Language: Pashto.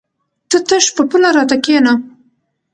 ته تش په پوله راته کېنه!